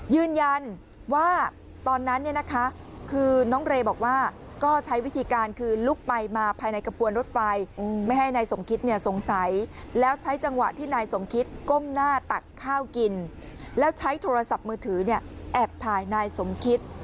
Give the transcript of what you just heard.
ยืนยันว่าตอนนั้นเนี่ยนะคะคือน้องเรย์บอกว่าก็ใช้วิธีการคือลุกไปมาภายในกระพวนรถไฟ